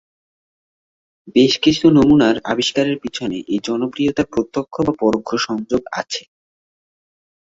বেশ কিছু নমুনার আবিষ্কারের পিছনে এই জনপ্রিয়তার প্রত্যক্ষ বা পরোক্ষ সংযোগ আছে।